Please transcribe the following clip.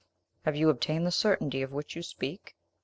"How have you obtained the certainty of which you speak?"